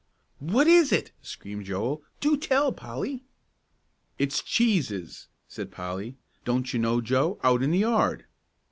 "What is it?" screamed Joel; "do tell, Polly." "It's cheeses," said Polly; "don't you know, Joe, out in the yard?"